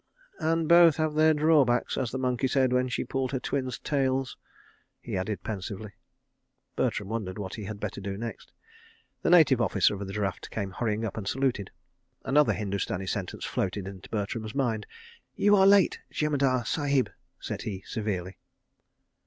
"And both have their draw backs—as the monkey said when she pulled her twins' tails," he added pensively. Bertram wondered what he had better do next. The Native Officer of the draft came hurrying up, and saluted. Another Hindustani sentence floated into Bertram's mind. "You are late, Jemadar Sahib," said he, severely.